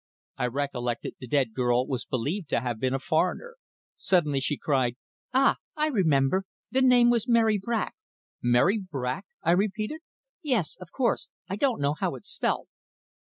I recollected the dead girl was believed to have been a foreigner! Suddenly she cried "Ah, I remember! The name was Mary Brack." "Mary Brack!" I repeated. "Yes. Of course I don't know how it's spelt."